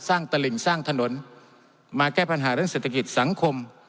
ตลิ่งสร้างถนนมาแก้ปัญหาเรื่องเศรษฐกิจสังคม